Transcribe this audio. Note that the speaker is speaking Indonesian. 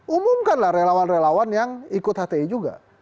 umumkanlah relawan relawan yang ikut hti juga